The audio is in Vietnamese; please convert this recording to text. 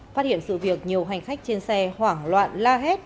phát hiện sự việc nhiều hành khách trên xe hoảng loạn la hét